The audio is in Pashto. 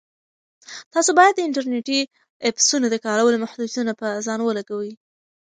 تاسو باید د انټرنیټي ایپسونو د کارولو محدودیتونه په ځان ولګوئ.